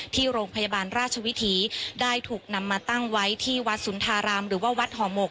ที่โรงพยาบาลราชวิถีได้ถูกนำมาตั้งไว้ที่วัดสุนทารามหรือว่าวัดห่อหมก